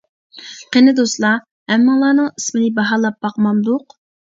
قېنى دوستلار ھەممىڭلارنىڭ ئىسمىنى باھالاپ باقمامدۇق!